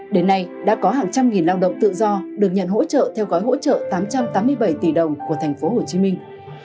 đến nay đã có hàng trăm nghìn lao động tự do được nhận hỗ trợ theo gói hỗ trợ tám trăm tám mươi bảy tỷ đồng của thành phố hồ chí minh